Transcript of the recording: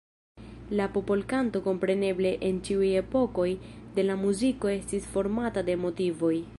La popolkanto kompreneble en ĉiuj epokoj de la muziko estis formata de motivoj.